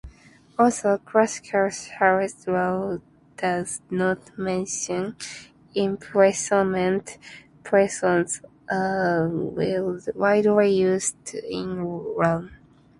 Although classical Sharia law does not mention imprisonment, prisons are widely used in Iran.